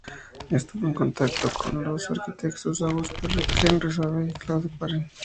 Estuvo en contacto con los arquitectos Auguste Perret, Henri Sauvage, Claude Parent, Jourdain.